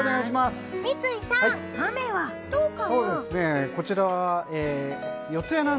三井さん、雨はどうかな？